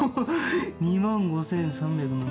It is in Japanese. ２万５０００円。